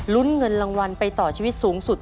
ลุ้นเงินรางวัลไปต่อชีวิตสูงสุด